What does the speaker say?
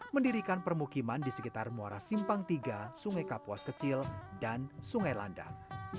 mendirikan permukiman di sekitar muara simpang tiga sungai kapuas kecil dan sungai landang